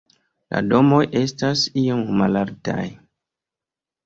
La domoj estas iom malaltaj.